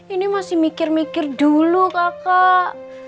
ini masih mikir mikir dulu kakak